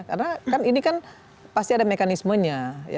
karena ini kan pasti ada mekanismenya